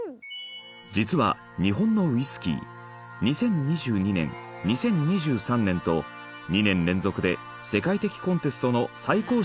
実は日本のウイスキー２０２２年２０２３年と２年連続で世界的コンテストの最高賞を受賞。